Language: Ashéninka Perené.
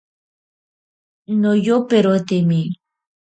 Noyoperotimi.